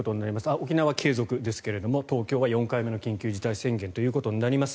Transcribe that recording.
沖縄は継続ですが東京は４回目の緊急事態宣言となります。